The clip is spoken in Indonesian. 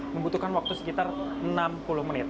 membutuhkan waktu sekitar enam puluh menit